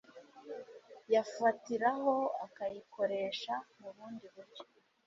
yafatiraho akayikoresha mu bundi buryo.